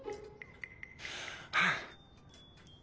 はあ。